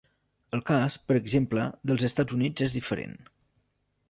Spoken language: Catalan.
El cas, per exemple, dels Estats Units és diferent.